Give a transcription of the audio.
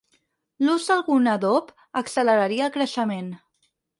L'ús d'algun adob acceleraria el creixement.